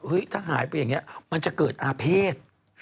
ถ้าหายไปอย่างนี้มันจะเกิดอาเภษ